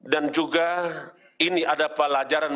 dan juga ini ada pelajaran